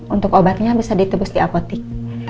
untuk obatnya bisa ditebus di apotik